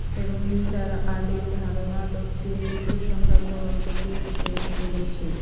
এবং নিসার আলির ধারণা, লোকটির মৃত্যুসংক্রান্ত গল্পটিও সে শুনেছে।